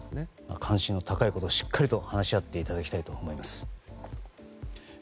関心の高いことをしっかりと話し合っていただきたいと思います。